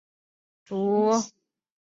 真田氏一族。